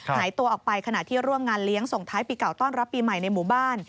หายตัวออกไปขณะที่ร่วมงานเลี้ยงส่งท้ายปีเก่าต้อนรับปีใหม่ในหมู่บ้าน